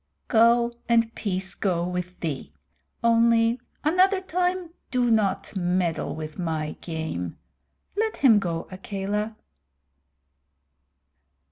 "Go, and peace go with thee. Only, another time do not meddle with my game. Let him go, Akela."